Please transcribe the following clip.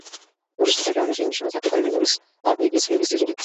অসুস্থতার কারণে সেই অনুষ্ঠানে থাকতে পারেননি মরিস, তাঁর হয়ে গিয়েছিলেন স্ত্রী জুডিথ।